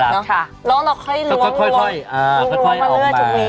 แล้วเราค่อยล้วงล้วงมาเลือกอีก